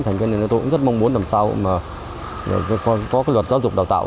thành viên này tôi cũng rất mong muốn làm sao mà có cái luật giáo dục đào tạo